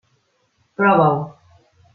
Prova-ho.